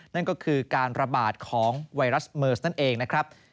นั่นก็คือการระบาดของไวรัสเมิร์สนั่นเองนะครับ